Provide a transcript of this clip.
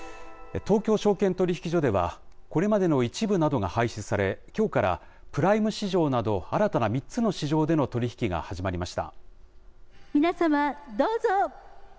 東京証券取引所では、これまでの１部などが廃止され、きょうからプライム市場など、新たな３つの市場での取り引きが始まりました。